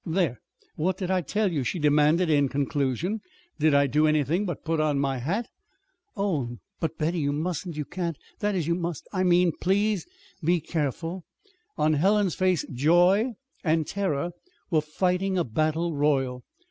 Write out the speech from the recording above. "There, what did I tell you?" she demanded in conclusion. "Did I do anything but put on my hat?" "Oh, but Betty, you mustn't, you can't that is, you must I mean, please be careful!" On Helen's face joy and terror were fighting a battle royal.